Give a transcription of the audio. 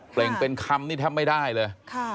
เปล่งเป็นคำนี่ทำไม่ได้เลย